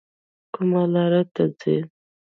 کومه لار ته ځئ؟